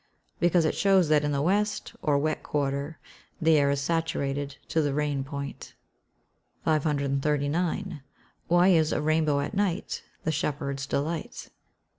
"_ Because it shows that in the West, or wet quarter, the air is saturated to the rain point. 539. _Why is "a rainbow at night the shepherd's delight?"